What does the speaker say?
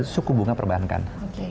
suku bunga perbankan